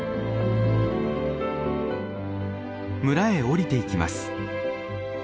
村へ降りていきます。